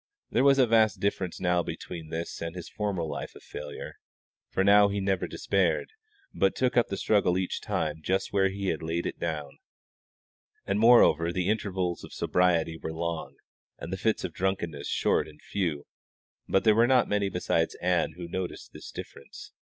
There was a vast difference now between this and his former life of failure, for now he never despaired, but took up the struggle each time just where he had laid it down, and moreover the intervals of sobriety were long, and the fits of drunkenness short and few; but there were not many besides Ann who noticed this difference.